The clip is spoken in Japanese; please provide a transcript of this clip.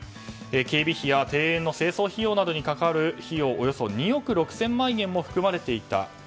警備や庭園の清掃費用などにかかるおよそ２億６０００万円も含まれていた。